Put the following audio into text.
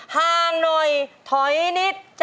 ห้างหน่อยถอยนิดนะจ๊ะ